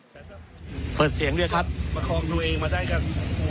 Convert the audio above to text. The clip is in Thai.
ใช่ครับเปิดเสียงด้วยครับ